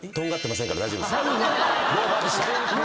ローファーでした。